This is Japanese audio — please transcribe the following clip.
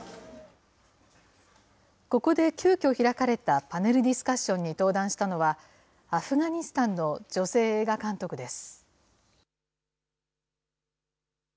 ここで急きょ、開かれたパネルディスカッションに登壇したのは、アフガニスタンの女性映画監督です。